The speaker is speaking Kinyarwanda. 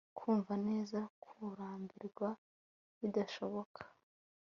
Kumva neza kurambirwa bidashoboka